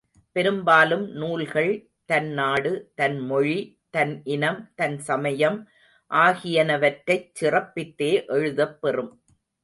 பெரும்பாலும் நூல்கள் தன் நாடு, தன் மொழி, தன் இனம், தன் சமயம் ஆகியனவற்றைச் சிறப்பித்தே எழுதப்பெறும்.